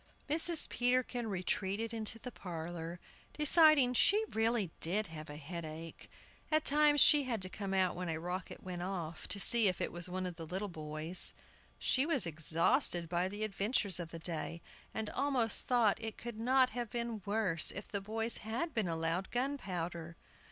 Mrs. Peterkin retreated into the parlor, deciding she really did have a headache. At times she had to come out when a rocket went off, to see if it was one of the little boys. She was exhausted by the adventures of the day, and almost thought it could not have been worse if the boys had been allowed gunpowder.